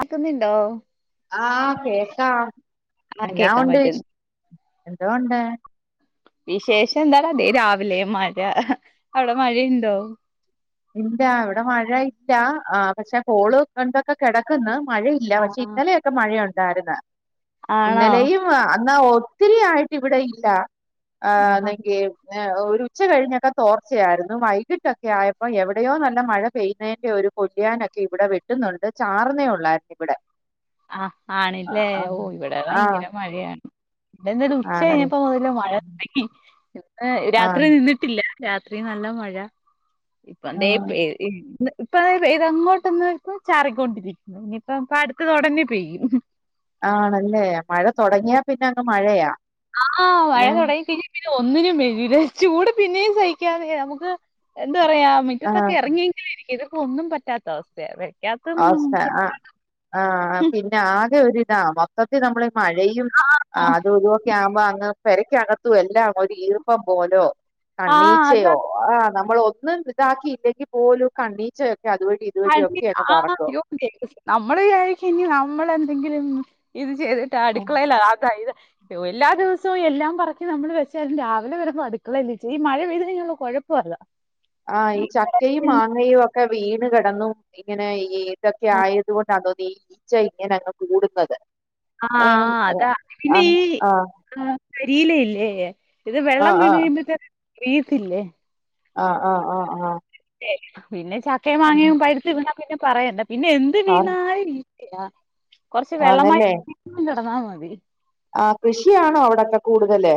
ആക്കുന്നിണ്ടോ? ആ കേക്കാം ആ എന്നാ കേക്കാൻ ഉണ്ട് വിശ് പറ്റുന്നു എന്തോ ഒണ്ട് വിശേഷം എന്താടാ ദേ രാവിലെ മഴ, അവിടെ മഴയുണ്ടോ? ഇല്ല ഇവിടെ മഴ ഇല്ലാ, ആ പക്ഷെ കോള് കണ്ടൊക്കെ കെടക്കുന്നു മഴയില്ല പക്ഷെ ആഹ് ഇന്നലെയൊക്കെ മഴയൊ ണ്ടാരുന്നു ആണോ ഇന്നലെയും അ അന്നാ ഒ ഒത്തിരി ആയിട്ടിവിടെ ഇല്ല ആ ആഹ് [unintelligible] ഉച്ച കഴിഞ്ഞൊക്കെ തോർച്ചയായിരുന്നു വൈകിട്ടൊക്കെ ആയ യപ്പോ എവിടെയോ നല്ല മഴ പെയ്യുന്നതിന്റെ ഒരു കൊള്ളിയാനൊക്കെ ഇവിടെ വെട്ടുന്നൊണ്ട്, ചാറുന്നേ ഒള്ളാരുന്നിവിടെ. ആ ആണല്ലേ? ഓ, ഇവിടെ ആഹ് ഭയങ്കര മഴയാണ് ഇന്നലെ ഒരു ഉച്ച ആണല്ലേ കഴിഞ്ഞപ്പോ മുതല് മഴ തുടങ്ങി പിന്നെ രാത്രി ആഹ് നിന്നിട്ടില്ല. രാത്രീ നല്ല മഴ ഇപ്പ ദേ ആഹ് പെയ്യണ് ഇപ്പ ദേ പെയ്തങ്ങോട്ടൊന്ന് നിക്കും ചാറിക്കൊണ്ടിരിക്കുന്നു ഇനിയിപ്പോ പാട് ആണല്ലേ, മഴ തൊടങ്ങിയാ പിന്നങ്ങ് മഴയാ ആ മഴ ഏഹ് തുടങ്ങിക്കഴിഞ്ഞു ഒന്നിനും മേലിത് ചൂട് പിന്നേം സഹിക്കാം നമുക്ക് എന്ത് പറയാ മിറ്റത്തൊക്കെ ആഹ് ഇറങ്ങിയെങ്കിലും ഇരിക്കാം ഇത് ഒന്നും പറ്റാത്ത അവസ്ഥയാ വ അ ആ ആ പിന്നെ ആകെ ഒരു അ മൊത്തത്തിൽ നമ്മള് മഴയും ആഹ് അത് തുവൊക്കെ ആവുമ്പോ അ പെരക്കകത്തു എല്ലാം ഒരു ഈർപ്പം പോലോ, ആഹ് അതാ കണ്ണീച്ചയോ ആ നമ്മള ഒന്നും ഇതാക്കി ഇട്ടേക്ക് പോലും കണ്ണീച്ച അത് വഴി ഇതുവഴി ഒക്കെ ആ നമ്മള് കഴിക്കഞ്ഞ നമ്മളെ എന്തെങ്കിലും ഇത് ചെയ്തിട്ട് അടുക്കളല്ല അത ഇത് എല്ലാ ദിവസവും എല്ലാം പറക്കി നമ്മള് വെച്ചാലും, രാവിലെ വരുമ്പോ അടുക്കള ഈ മഴ പെയ്ത് കഴഞ്ഞുള്ള കുഴപ്പത് ആ ഈ ചക്കയും മാങ്ങയും ഒക്കെ വീണ് കിടന്നും ഇങ്ങനെ ഈ ഇതൊക്കെ ആഹ് ആയതുകൊണ്ടാണോ നീ, ഈച്ച ഇങ്ങന അങ്ങ് കൂടുന്നത് ആ ഏഹ് അതാ ഇ ആഹ് ആഹ് വീല ഇല്ലേ ഇത് വെള്ളം ആഹ് വീണ് കഴിയുമ്പഴത്തേന് വീയ്യത്തില്ലേ ആഹ്‌ ആഹ്‌ ആഹ്‌ ആഹ്‌ [unintelligible] പിന്നെ ചക്കേം മാങ്ങയും പഴുത്തു വീണ പിന്നെ പറയണ്ട ന്നെ എന്ത് ആഹ് വീണായിരി ആഹ് കൊറച്ച് വെള്ളമായി [unintelligible] ആഹ് അവിര് ആ കൃഷിയാണോ അവിടൊക്കെ കൂടുതല്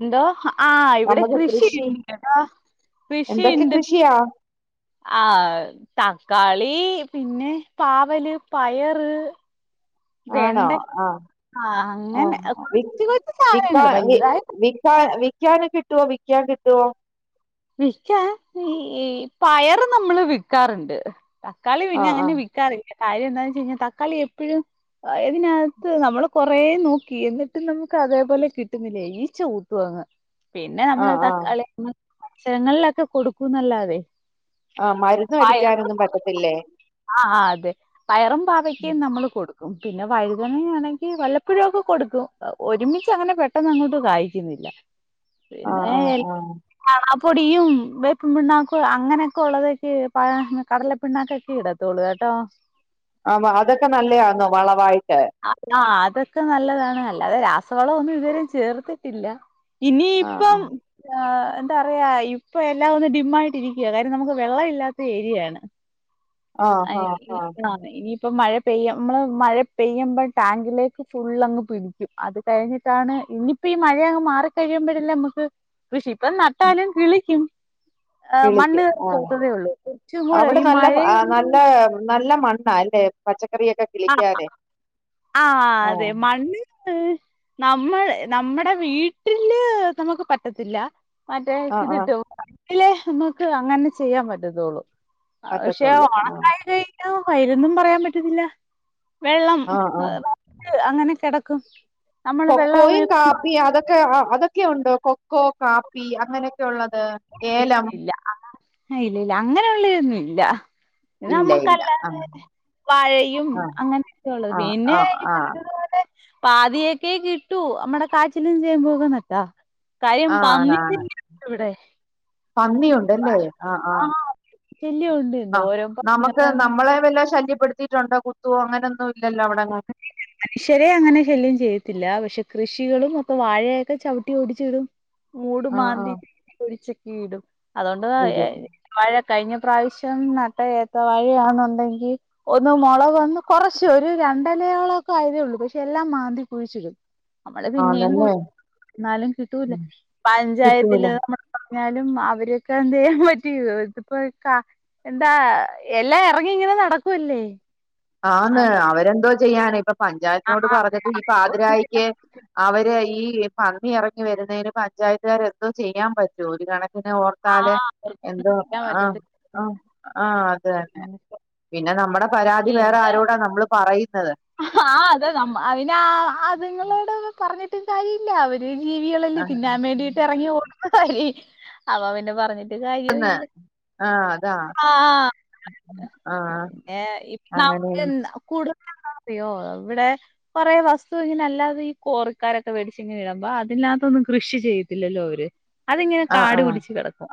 എന്തോ ആഹ ഇവിടെ നമുക്ക് കൃഷി കൃഷിണ്ട് എന്തൊക്കെ കൃഷിണ്ട് കൃഷിയാ ആ തക്കാളി പിന്നെ പാവല് പയറ് ആണോ വെണ്ട ആ ആഹ് ആ അങ്ങനെ വി കൊറച്ച് കൊറച്ച് വിക്കാ സാധനങ്ങള് വി വലുതായ വിക്കാന വിക്കാനൊക്കെ കി ട്ടുവോ വിക്കാൻ കിട്ടുവോ വിക്കാ ഈ പയറ് നമ്മള് വിക്കാറുണ്ട് തക്കാളി പിന്നെ ആഹ് ആഹ് അങ്ങനെ വിക്കാറില്ല കാര്യം എന്താന്ന് വെച്ച് കഴിഞ്ഞാ തക്കാളി എപ്പോഴും ഇതിനകത്ത് നമ്മള് കൊറേ നോക്കി എന്നിട്ട് നമുക്ക് അതേപോലെ കിട്ടുന്നില്ല ഈച്ച കുത്തകങ്ങ് പിന്നെ നമ്മള് ആഹ് ആഹ് തക്കാളി ജനൽലൊക്കെ കൊടുക്കൂന്നല്ലാതെ ആ മരുന്ന് അടിക്കാനൊന്നും പറ്റത്തില്ലേ? [unintelligible] പയറും പാവയ്ക്കും നമ്മൾ കൂട്ടും. പിന്നെ വഴുതന ആണെങ്കിൽ വല്ലപ്പോഴുയൊക്കെ കൊടുക്കും ഒരുമിച്ച് അങ്ങനെ പെട്ടെന്ന് അങ്ങോട്ട് കായ്ക്കുന്നില്ല. ആ ആ ആ ചാണകപ്പൊടിയും വേപ്പും പിണ്ണാക്കും അങ്ങനെയൊക്കെ ഉള്ളതൊക്കെ പ കടല പിണ്ണാക്കൊക്കെ ഇടത്തുള്ളു കേട്ടോ. ആ അതൊക്കെ നല്ലതണോ വളവായി. [unintelligible] ഇതൊക്കെ നല്ലതാണ് അല്ലാതെ രാസവളം ഒന്നും ഇതുവരെയും ചേർത്തിട്ടില്ല. ആഹ് ഇനിയിപ്പം ആഹ് ആഹ് എന്താ പറയാ ഇപ്പൊ എല്ലാം ഒന്ന് ഡിം ആയിട്ടിരിക്കുവാ കാര്യം നമുക്ക് വെള്ളം ഇല്ലാത്ത ഏരിയയാണ്. ആഹ് ആഹ് ആഹ് [unintelligible] ഇപ്പൊ മഴ പെയ്യ് നമ്മള് മഴ പെയ്യുമ്പോൾ ടാങ്കിലേക്ക് ഫുള് അങ്ങ് പിടിക്കും അത് കഴിഞ്ഞിട്ടാണ് ഇനിയിപ്പോ ഈ മഴ അങ്ങ് മാറി കഴിയുമ്പോഴല്ലേ നമുക്ക്. കൃഷി ഇപ്പം നട്ടാലും കിളിക്കും. ഏഹ് കിളിക്ക് മണ്ണ് ആഹ് പൂത്തതെ ഉള്ളൂ ഏറ്റകൂടെ ഈ മഴയും. ട്ട് നല്ല മണ്ണാല്ലേ പച്ച ആണോ ആ ആഹ് അതെ മണ്ണ്. നമ്മൾ നമ്മുടെ വീട്ടില് നമുക്ക് പറ്റത്തില്ല. മറ്റേ ആഹ് ആഹ് ഇതിട്ട് വയ്ക്കാം. ലേ നമുക്ക് അങ്ങനെ ചെയ്യാൻ പറ്റത്തുള്ളൂ. പക്ഷേ പറ്റത്തുള്ളൂ ആഹ് ഉണക്കായി കഴിഞ്ഞാൽ. വെയിൽ ഒന്നും പറയാൻ പറ്റത്തില്ല. വെള്ളം ആഹ് ആഹ് ഏഹ്. അങ്ങനെ കിടക്കും നമ്മള് വെള്ളം കൊക്കോയും അങ്ങനെ കൊണ്ടോകത്തില്ല കാപ്പിയും അതൊക്കെ അതൊക്കെ ഒക്കെ ഉണ്ടോ കൊക്കോ കാപ്പി അങ്ങനെയൊക്കെ ഉള്ളത് ഏലം ഇല്ല ഇല്ല് ഇല്ല ആ ഇല്ല അങ്ങനെ ഉള്ളതൊന്നും ഇല്ല. ഇല്ല ഇത് ഇല്ല ഇല്ല ആ നമ്മുക്കല്ലാതെ വാഴയും ആ അങ്ങനെയൊക്കെയള്ളത് ആ ആ പിന്നെയി ആ പറഞ്ഞതുപോലെ പാതിയൊക്കെ കിട്ടു നമ്മടെ കാച്ചിലും ചേമ്പും ഒക്കെ നട്ടാൽ കാര്യം ആ, ആണാണ് വന്നിട്ടില്ല ഇവിടെ. പന്നിയുണ്ടല്ലേ ആഹ് ആഹ് ശല്യമുണ്ട് ആഹ് എന്തോരം നമുക്ക് പന്നികളാണ് നമ്മളെ വല്ല ശല്യം കൊടുത്തിട്ടുണ്ടോ കുത്തോ അങ്ങനൊന്ന മനുഷ്യരെ അങ്ങനെ ശല്യം ചെയ്യത്തില്ല പക്ഷെ കൃഷികളും ഒപ്പം വാഴയൊക്കെ ചവിട്ടി ഓടിച്ചിടും. ഓട് ആ ആ മാന്തി [inaudible] ക്കീടും. അതുകൊണ്ട് ഇത് മഴ കഴിഞ്ഞ പ്രാവശ്യം നട്ട ഏത്ത വാഴയാണുണ്ടെങ്കിൽ ഒന്ന് മുള വന്ന് കുറച്ച് ഒരു രണ്ട് അടയാളക്കെ ആയതേ ഉള്ളൂ പക്ഷെ എല്ലാം മാന്തി കുഴിച്ചിടും. നമ്മള് പിന്നെയും ആണല്ലേ എന്നാലും കിട്ടൂല ഉം കിട്ടൂല പഞ്ചായത്തില് എന്നാലും അവരൊക്കെ എന്ത് ചെയ്യാൻ പറ്റും ഇതിപ്പോ എന്താ എല്ലാം ഇറങ്ങി ഇങ്ങനെ നടക്കുവല്ലേ? ആന്ന് അതോ അവരെന്തോ ചെയ്യാണ് ഇപ്പ ആ പഞ്ചായത്തിനോട് അത പറഞ്ഞിട്ട് ഈ പാതിരായിക്ക് അവര് ഈ പകുതി ഇറങ്ങി വരുന്നതിന് പഞ്ചായത്തുകാർ എന്തോ ചെയ്യാൻ പറ്റോ ഒരു കണ ആ ഓർത്താല് അവർക്കൊന്നും എന്തോ ചെയ്യാൻ ആഹ് പറ്റത്തില്ല ആഹ് ആഹ്. അത് തന്നെ പിന്നെ നമ്മുടെ വേറെ ആരോടാ നമ്മള് പറയ ആഹ് അതെ നമ്മ അതിന് ആ അതുങ്ങളോട് പറഞ്ഞ ട്ട് കാര്യല്ല അവ ഈ ജീവികളല്ലേ ആഹ് തിന്നാൻ വേണ്ടീട്ട് ഇറങ്ങി ഓ [unintelligible] അപ്പൊ പിന്നെ പറഞ്ഞിട്ട് കാര്യവും ഇല്ല ആഹ് അതാ ആഹ് ആഹ് പിന്നെ അങ്ങനെ നമുക്ക് [unintelligible] കൂടു അയ്യോ അവിടെ കുറെ വസ്തു ഇങ്ങനെ അല്ലാതെ ഈ കോറിക്കാരൊക്കെ മേടിച്ച് ഇങ്ങനെ ഇടുമ്പോ അതിനകത്തൊന്നും കൃഷി ചെയ്യത്തില്ലല്ലോ ഇവര്. അതിങ്ങനെ ആഹ് കാട് ആഹ് പിടിച്ച് കിടക്കും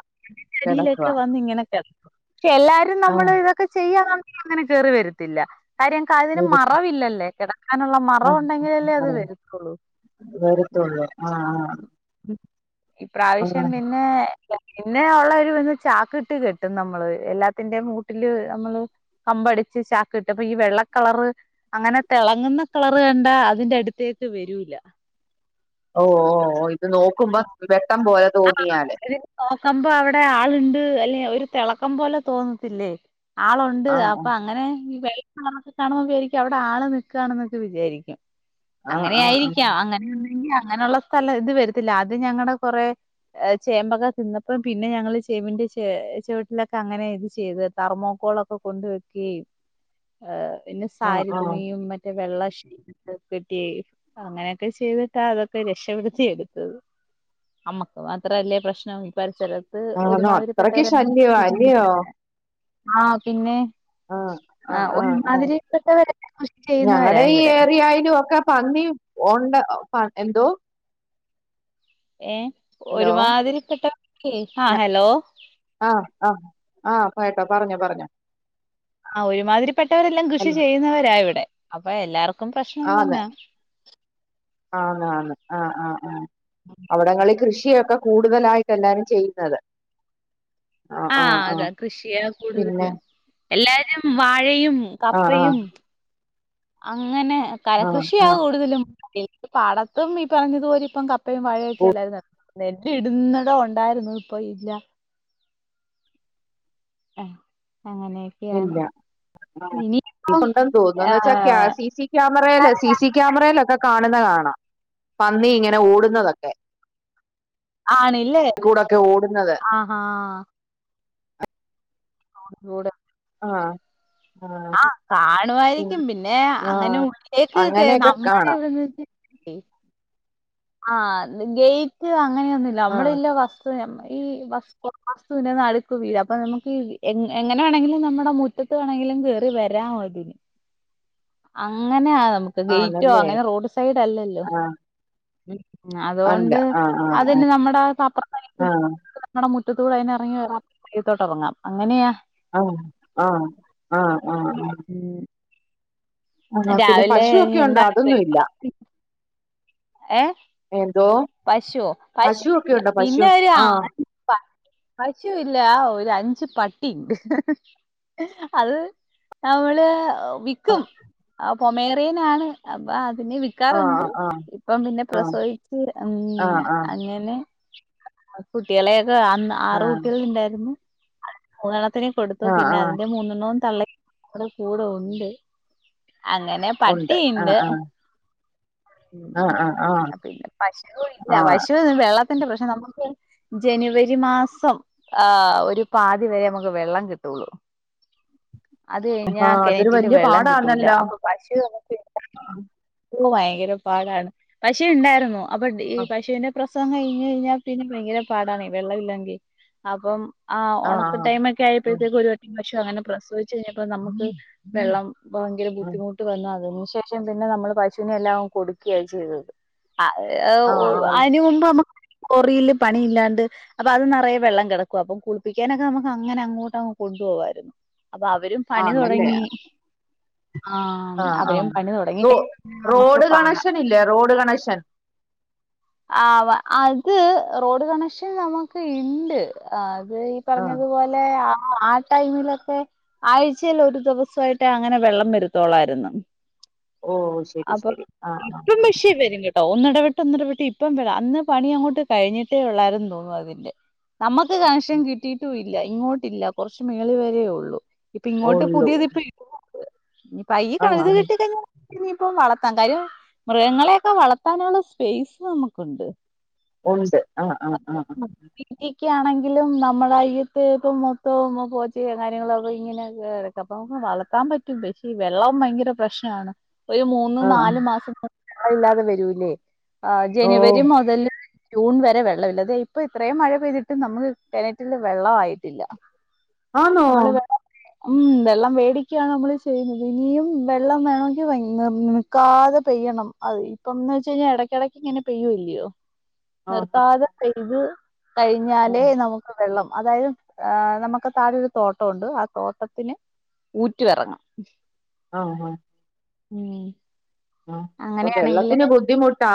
തൊടിയിലൊക്കെ കിടക്കുവാ വന്നിങ്ങനെ കട പക്ഷെ എല്ലാരും ആഹ് നമ്മള് ഇതൊക്കെ ചെയ്യാ അങ്ങനെ കേറി വരുത്തില്ല. കാര്യം ക വരു അല്ലേ കിട നുള്ള മറവ് ആഹ് ഉണ്ടെങ്കിലല്ലേ അത് ആഹ് വരുത്തുള്ളൂ. വരത്തുള്ളൂ ആഹ് ആഹ് ഇപ്രാവശ്യം ആഹ് പിന്നെ പിന്നെ ഉള്ളൊര് വന്ന് ചാക്ക് ഇട്ട് കെട്ടും നമ്മള് എല്ലാത്തിന്റെയും കൂട്ടില് നമ്മള് കമ്പടിച്ച് ചാക്ക് കട്ടും അപ്പൊ ഈ വെള്ളക്കളറ് അങ്ങനെ തിളങ്ങുന്ന കളർ കണ്ട അതിന്റെ അടുത്തേക്ക് വരൂല ഓ ഓ ഓ ഇത് നോക്കുമ്പോ വെട്ടം പോ തോന്നിയാല് മ്പോ അവിടെ ആളുണ്ട് അല്ലെ ഒരു തിളക്കം പോലെ തോന്നത്തില്ലേ ആളുണ്ട് ആഹ് അപ്പൊ അങ്ങനെ വെള്ളകളറൊക്കെ കാണുമ്പോ വിചാരിക്കും അവിടെ ആള് നിക്കാണ്എന്നൊക്കെ വിചാരിക്കും ആഹ് അങ്ങനെ ആഹ് ആഹ് ആയിരിക്കാം അങ്ങനെയാണെങ്കി അങ്ങനെയുള്ള സ്ഥലം ഇത് വരത്തില്ല അത് ഞങ്ങളുടെ കുറെ ചേമ്പൊക്കെ തിന്നപ്പം പിന്നെ ഞങ്ങൾ ചേമ്പിന്റെ ച ചെവിട്ടിലൊക്കെ അങ്ങനെ ഇത് ചെയ്ത് തർമോക്കോളൊക്കെ കൊണ്ട വെക്കയും ഏ പിന്നെ ആഹ് സാരി ആഹ് തുണിയും മറ്റേ വെള്ള അങ്ങനെയൊക്കെ ചെയ്തിട്ടാ അതൊക്കെ രക്ഷപ്പെടുത്തി എടുത്തത് അമ്മ മാത്രല്ലേ പ്രശ്നംഈ സ്ഥലത്ത് ആന്നോ അത്രക്ക് ഒരുമാതിരിപ്പെെട്ടവരെല്ലാം ശല്യവാ ചെയ അല്ലയോ ആഹ് പിന്നെ ആ ആ ആഹ് ആ ആ ഒരുമാതിരിപ്പെട്ടവരെല്ലാം കൃഷി ചെയ്യുന്നവരാ ഞങ്ങളടെ ഈ ഇവിടെ ഏരിയായി ലും ഒക്കെ പന്നി ഉണ്ട് എന്തോ ഏ ഹലോ ഒരുമാതിരിപ്പെട്ട ആ ഞ ഹലോ ആഹ് ആഹ് ആഹ് കേട്ടോ പറഞ്ഞോ പറഞ്ഞോ ആ ഒരുമാതിരിപ്പെട്ടവരെല്ലാം കൃഷി ചെയ്യുന്നവരാ ഇവിടെ അപ്പൊ എല്ലാർക്കും പ്രശ്നം ആതെ തന്നാ ആണ് ആ ആഹ് ആഹ ആ അവിടങ്ങളിൽ കൃഷിയ ക്കെ കൂടുതലായിട്ട എല്ലാരും ചെയ്യുന്നത് ആഹ് ആഹ ആഹ് അതാ ആഹ് കൃഷിയാ പിന്നെ കൂടുതല് എല്ലാരും വാഴയും ആഹ് ആഹ് കപ്പയും അങ്ങനെ [inaudible] കര ആഹ് കൃഷിയാ ആഹ് കൂടുതലും ഇപ്പൊ പാടത്തും ഈ പറഞ്ഞതുപോലെ കപ്പ - കപ്പയും വാഴയും ഓ ഒക്കെയാ എല്ലാരും നടുന്നത് നെല്ല് ഇടുന്നതും ഉണ്ടായിരുന്നു ഇപ്പൊ ഇല്ല ഹ ഇല്ല ഇനിയിപ്പം ഇല്ല്ന്ന് തോന്നുന്നു എന്ന് വെച്ചാ ഏഹ് സി സി ക്യാമറയിലൊക്കെ- കാണുന്ന കാണാം പന്നി ഇങ്ങനെ ഓടുന്നതൊക്കെ. ആണ്ല്ലേ കൂടൊക്കെ ഓടുന്നത് ആഹാ [unintelligible] [unintelligible] ആ ആ കാണുവായിരിക്കും പിന്നെ അങ്ങനെ ആഹ് ഉള്ളിലേക്ക്ഒക്കെ അങ്ങനെയൊക്കെ നമ്മടെ കാണാം ഒരിത് വെച്ച്- ആ ഗേറ്റ് അ അങ്ങനെയൊന്നുല്ല ആഹ് നമ്മളില്ല വസ്തു നമ ഈ വസ്തുവിന്റെ നടുക്ക് വീടാ അപ്പൊ നമുക്ക് എങ്ങനെ വേണമെങ്കിലും നമ്മുടെ മുറ്റത്ത് കേറി വരാം [unintelligible] അങ്ങനെയ അത് - നമുക്ക് ഗേറ്റോ ആണല്ലേ അങ്ങനെ റോഡ് സൈഡ് അല്ലല്ലോ ആഹ് [unintelligible] ഉം അല്ല അതുകൊണ്ട് ആഹ് ആഹ് അതന്നെ നമ്മുടെ ആഹ് [unintelligible] മുറ്റത്തൂടെ അതിന് എറങ്ങി വരാം [unintelligible] മുറ്റത് ഇറങ്ങാം. അ അ ആ ആ ആ ഉം ആ പിന്നെ രാവിലെ പശു ഇനി ഉണ്ടോ? എന്താണ് അതൊന്നുല്ല ബ്രേക്ക്ഫാസ്റ്റ് ഏഹ് എന്തോ പശുവോ പശുവൊക്കെ പശുവില്ല ഉണ്ടോ പശു പിന്നെ ഒരു ആഹ് ആട് പ പശുയില്ല ഒരു അഞ്ച് പട്ടി ഹ് ഹ് അത് നമ്മള് വിൽക്കും അ കൊമേറിയൻ ആണ് അത് പിന്നെ ആഹ് വിക്കാറുണ്ട് ആഹ് ഇപ്പം പിന്നെ പ്രസോവിച്ച്- ഉം ആഹ് ആഹ് ആഹ് അനിയന്- [unintelligible] കുട്ടികളെ ഇപ്പൊ അന്ന് ആറ് ആഹ് കുട്ട്യാള് ഉണ്ടായിരുന്നു [unintelligible] കുട്ടിനേം കൊടുത്തു ആഹ് പിന്നെ ആഹ് അതിന്റെ മൂന്നണ്ണോം തള്ള അവിടെ കൂടെ ഉണ്ട് അങ്ങനെ ഉണ്ട് ആഹ് പട്ടിഇണ്ട് ആഹ് ഉം ആഹ് ആഹ് ആഹ് [unintelligible] സ്കൂൾ ഇല്ല ആഹ് [unintelligible] വെള്ളത്തിന്റെ പ്രശ്നം നമ്മക്ക് ജനുവരി മാസം ആ ഒരു പാതി വരെ നമ്മക്ക് വെള്ളം കിട്ടൊള്ളൂ അത് കഴിഞ്ഞാ ആഹ് അതൊരു കിണറ്റില് വല്യ വെള്ളം കിട്ടൂല പാടാന്നല്ലോ അപ്പൊ പശു ഭയങ്കര പാടാണ് പക്ഷേ ഉണ്ടായിരുന്നു അപ്പം ഈ ആഹ് പശൂന്റെ പ്ര സവം കഴിഞ്ഞ് കഴിഞ്ഞാൽ പിന്നെ ഭയങ്കര പാടാണേ വെള്ളമില്ലെങ്കിൽ അപ്പം ആ ആഹ് ഉണക്ക് ടൈം ഒക്കെ ആഹ് ആയപ്പഴത്തേക്ക് ഒരു വട്ടം ശ്വ പ്രസവിച്ചു കഴിഞ്ഞപ്പോ നമുക്ക് വെള്ളം വങ്കര ആഹ് ബുദ്ധിമുട്ട് വന്ന അതും ശേഷം പിന്നെ നമ്മള് പശൂനെല്ലാം കൊടുക്ക്യാ ചെയ്തത് ആ [unintelligible] എ ഉ ആഹ് ആഹ് അയ്ന് മുമ്പ്മ്മ കൊറീല് പണി ഇല്ലാണ്ട് അപ്പൊ അത് നെറയെ വെള്ളം കെടക്കും അപ്പൊ കുളിപ്പിക്കാനൊക്കെ നമുക്ക് അങ്ങനെ അങ്ങോട്ട് അങ്ങ് കൊണ്ടുപോവ്വാരുന്നു അപ്പൊ അവരും പണി ആന്നല്ലേ തൊടങ്ങി ആഹ് ആഹ് റൊ കഴിഞ്ഞ നമുക്ക് റോഡ് കണക്ഷൻ ഇല്ലാ റോഡ് കണക്ഷൻ ആവ അത് റോഡ് കണക്ഷൻ നമുക്ക് ഇണ്ട് ആ ത് ഈ ആ പറഞ്ഞതുപോലെ ആ ആ ആ ടൈമിലൊക്കെ ആഴ്ചയിൽ ഒരു ദിവസായിട്ട് അങ്ങനെ വെള്ളം വരുത്തോളായിരുന്നു ഓ ശരി അപ്പൊ ശരി ആ ആ ഇപ്പം വിഷയം വരും കെ ഒന്നിടവിട്ട് ഒന്നിടവിട്ട് ഇപ്പം വരാം അന്ന് പണി അങ്ങോട്ട് കഴിഞ്ഞിട്ടേ ഉള്ളാരായിന്ന് തോന്നു അതിന്റെ നമ്മക്ക് കണക്ഷൻ കിട്ടീട്ട് [unintelligible] ഇല്ല ഇങ്ങോട്ടില്ല കൊറച്ച് മേളി വരേ ഒള്ളൂ ഇപ്പ ഇങ്ങോട്ട് ഉള്ളൂ പുതിയതിപ്പയി പയ്യ് ആ ആ [unintelligible] കിട്ടിക്കഴിഞ്ഞാ ഇനിയിപ്പ വളത്താം കാര്യം മൃഗങ്ങളെയൊക്കെ വള ത്താനുള്ള സ്പേസ് നമുക്കുണ്ട് ഒണ്ട് ആഹ് ആഹ് ആഹ് ആ ക്യ ആണെങ്കിലും നമ്മടെ അയ്യത്ത് പ്പം മൊത്തോംങ്ങ് പോച്ചേം കാര്യങ്ങളൊക്കെ ഇങ്ങനൊക്കെ എക്ക അപ്പം വളർത്താൻ പറ്റും പക്ഷെ വെള്ളം ഭയങ്കര പ്രശ്നാണ് ഒരു മൂന്നു ആ ആ നാലു മാസം അല്ലാതെ വരൂ ലെ ആ ഓ ജനുവരി മൊതല് ജൂൺ വരെ വെള്ളവില്ല അതെ ഇപ്പൊ ഇത്രേം മഴ പെയ്തിട്ടും നമുക്ക് കെണറ്റില് വെള്ളം ആയിട്ടില്ല ആന്നോ ഉം വെള്ളം വേടിക്യാണ് നമ്മള് ചെയ്യുന്നത് ഇനിയും വെള്ളം വേണോങ്കിൽ [unintelligible] നിൽക്കാതെ പെയ്യണം അത് ഇപ്പംന്ന് ച്ച കഴിഞ്ഞാ എടക്കെടയ്ക്ക് ഇങ്ങനെ പെയ്യൂല്ലയോ ആ ആ നിർത്താതെ പെയ്ത് ആ കഴിഞ്ഞാലേ നമുക്ക് വെള്ളം അതായത് ആ നമ്മക്ക് താഴൊരു തോട്ടോണ്ട് ആ തോട്ടത്തിന് ഊറ്റ് വെറങ്ങാം ആഹ് ആ ഉം അ അപ്പൊ അങ്ങനെയാണെങ്കിൽ വെള്ളത്തിന് ബുദ്ധിമുട്ടാ